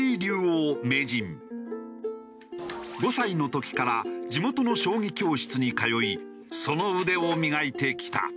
５歳の時から地元の将棋教室に通いその腕を磨いてきた。